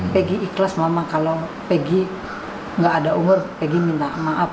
pegi ikhlas mama kalau pegi tidak ada umur pegi minta maaf